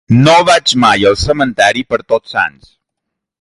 No vaig mai al cementiri per Tots Sants.